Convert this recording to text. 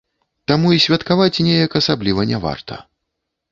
Таму і святкаваць неяк асабліва не варта.